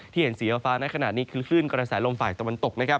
ที่เห็นสีเยาวะฟ้าขนาดนี้คือขลื่นกระแสลมฝ่ายตะวันตก